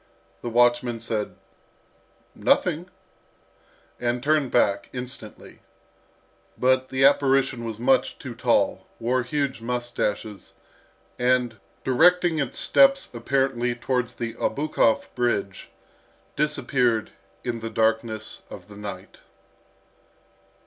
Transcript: The watchman said, "Nothing," and turned back instantly. But the apparition was much too tall, wore huge moustaches, and, directing its steps apparently towards the Obukhov Bridge, disappeared in the darkness of the night.